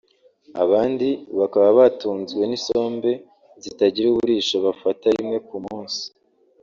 abandi bakaba batunzwe n’isombe zitagira uburisho bafata rimwe ku munsi